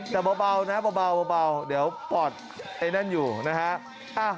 แต่เบาเดี๋ยวปอดไอ้นั่นอยู่นะครับ